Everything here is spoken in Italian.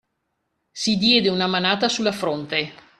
Si diede una manata sulla fronte.